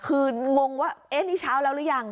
คืองงว่าเอ๊ะนี่เช้าแล้วหรือยัง